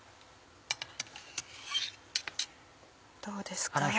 どうですか？